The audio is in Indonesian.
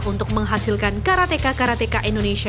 untuk menghasilkan karateka karateka indonesia